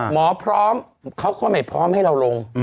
หมอพร้อมเขาก็ไม่พร้อมให้เราลง